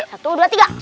satu dua tiga